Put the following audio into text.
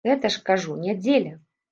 Гэта ж, кажу, нядзеля.